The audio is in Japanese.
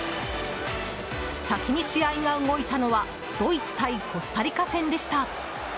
先に試合が動いたのはドイツ対コスタリカ戦でした。